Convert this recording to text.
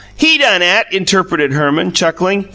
"HE done 'at," interpreted Herman, chuckling.